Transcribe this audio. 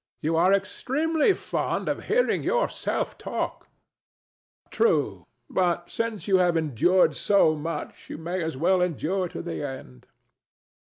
You are extremely fond of hearing yourself talk. DON JUAN. True; but since you have endured so much you may as well endure to the end.